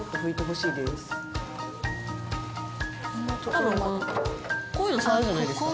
多分こういうのを触るじゃないですか。